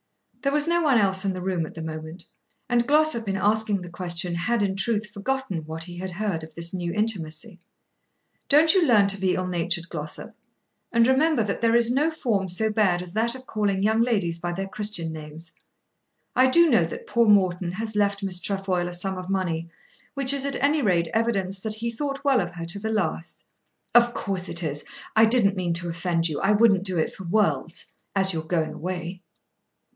There was no one else in the room at the moment, and Glossop in asking the question had in truth forgotten what he had heard of this new intimacy. "Don't you learn to be ill natured, Glossop. And remember that there is no form so bad as that of calling young ladies by their Christian names. I do know that poor Morton has left Miss Trefoil a sum of money which is at any rate evidence that he thought well of her to the last." "Of course it is. I didn't mean to offend you. I wouldn't do it for worlds, as you are going away."